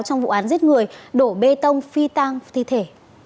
các người đổ bê tông phi tăng thi thể